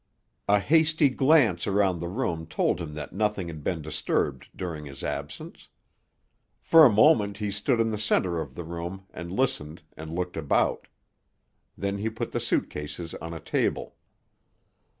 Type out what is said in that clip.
A hasty glance around the room told him that nothing had been disturbed during his absence. For a moment he stood in the center of the room and listened and looked about. Then he put the suit cases on a table.